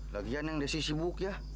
lagian yang desi sibuk ya